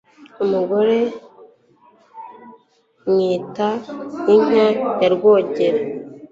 umugore umwita inka ya rwogera